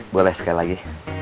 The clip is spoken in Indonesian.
boleh sekali lagi